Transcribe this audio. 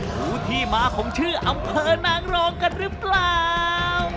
รู้ที่มาของชื่ออำเภอนางรองกันหรือเปล่า